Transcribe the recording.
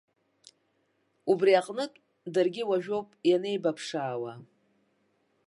Убри аҟнытә даргьы уажәоуп ианеибаԥшаауа.